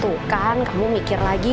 tuh kan kamu mikir lagi